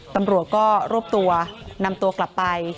ตำรวจก็รวบตัวนำตัวกลับไป